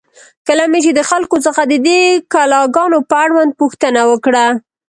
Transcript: کله مې چې د خلکو څخه د دې کلا گانو په اړوند پوښتنه وکړه،